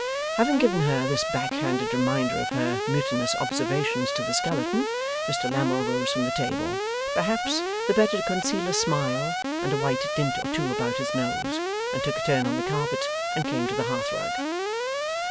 Having given her this back handed reminder of her mutinous observations to the skeleton, Mr Lammle rose from table perhaps, the better to conceal a smile, and a white dint or two about his nose and took a turn on the carpet and came to the hearthrug.